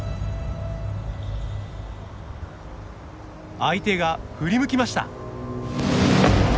相手が振り向きました。